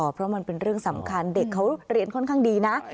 เพราะมันเป็นเรื่องสำคัญเด็กเขาเรียนค่อนข้างดีนะ